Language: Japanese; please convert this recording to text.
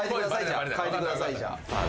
変えてくださいじゃあ。